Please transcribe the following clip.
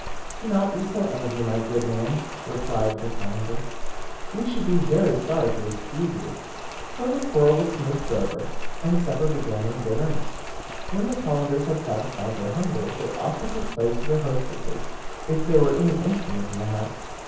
"Do not be so angry, my good man," replied the Calender; "we should be very sorry to displease you;" so the quarrel was smoothed over, and supper began in good earnest. When the Calenders had satisfied their hunger, they offered to play to their hostesses, if there were any instruments in the house.